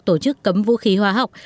tổ chức cấm vũ khí hóa học